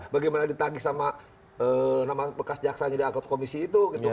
bagaimana ditagih sama bekas jaksanya di akad komisi itu